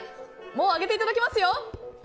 もう上げていただきますよ。